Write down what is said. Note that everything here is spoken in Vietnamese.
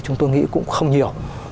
chúng tôi nghĩ cũng không nhiều